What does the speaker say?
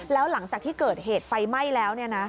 แล้วหลังจากที่เกิดเหตุไฟไหม้แล้ว